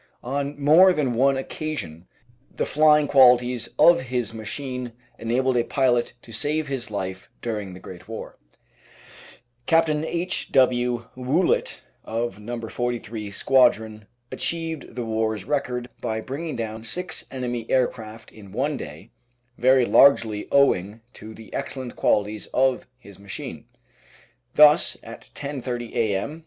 On more than one occasion the flying qualities of his machine enabled a pilot to save his life during the Great War. 856 The Outline of Science Captain H. W. Woollett of No. 43 Squadron achieved the war's record by bringing down six enemy aircraft in one day, very largely owing to the excellent qualities of his machine. Thus at 10.30 a.m.